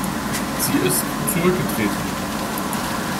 Sie ist zurückgetreten.